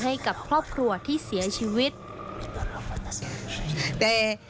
ได้นำเรื่องราวมาแชร์ในโลกโซเชียลจึงเกิดเป็นประเด็นอีกครั้ง